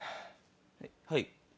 はい。